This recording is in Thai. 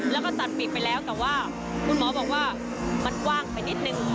แล้วก็ตัดปิดไปแล้วแต่ว่าคุณหมอบอกว่ามันกว้างไปนิดนึง